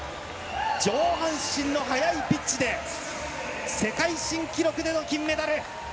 上半身の速いピッチで世界新記録での金メダル！